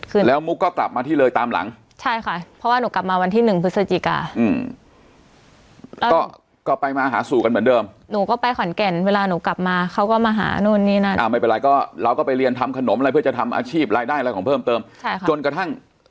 กลับมาเขาก็มาหานู่นนี่นั่นอ่ะไม่เป็นไรก็เราก็ไปเรียนทำขนมอะไรเพื่อจะทำอาชีพรายได้อะไรของเพิ่มเติมใช่ค่ะจนกระทั่ง